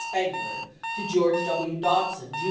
Spangler to George W. Dodson, Jr.